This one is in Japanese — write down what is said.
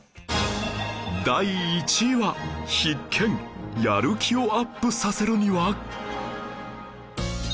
第１位は必見やる気をアップさせるには？